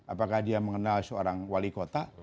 apakah dia mengenal seorang wali kota